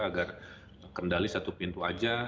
agar kendali satu pintu aja